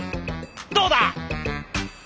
どうだ！